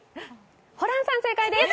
ホランさん、正解です。